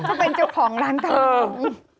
ก็เป็นเจ้าของร้านทอง